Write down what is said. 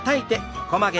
横曲げ。